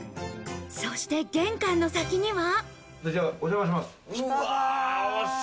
そして玄関の先には。